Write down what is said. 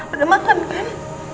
udah makan kan